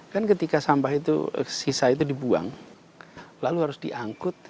kan ketika sampah itu sisa itu dibuang lalu harus diangkut